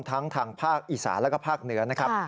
ทั้งทางภาคอีสานแล้วก็ภาคเหนือนะครับ